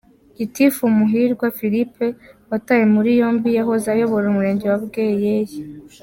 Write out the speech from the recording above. Gitifu Muhirwa Philippe watawe muri yombi yahoze ayobora Umurenge wa Bweyeye.